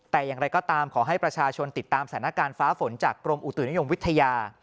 แต่อย่างไรก็ตามขอให้ประชาชนติดตามสถานการณ์ฟ้าฝนจากกรมอุตุนิยมวิทยา